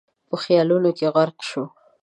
په خيالونو کې غرق شو.